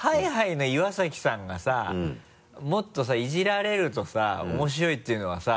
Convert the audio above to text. Ｈｉ−Ｈｉの岩崎さんがさもっとさイジられるとさ面白いっていうのはさ